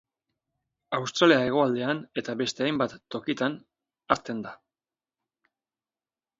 Australia hegoaldean eta beste hainbat tokitan hazten da.